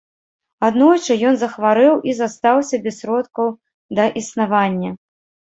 Аднойчы ён захварэў і застаўся без сродкаў да існавання.